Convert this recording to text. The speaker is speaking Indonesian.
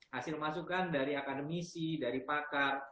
hasil masukan dari akademisi dari pakar